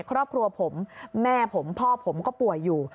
ครอบครัวผมแม่ผมพ่อผมก็ป่วยอยู่